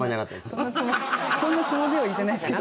そんなつもりでは言ってないっすけど。